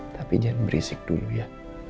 tapi jangan berisik dulu ya